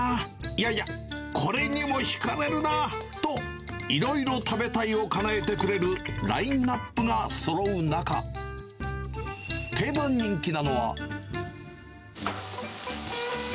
いやいや、これにも引かれるなと、いろいろ食べたいをかなえてくれるラインナップがそろう中、定番人気なのは。